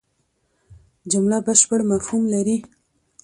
جمله بشپړ مفهوم لري.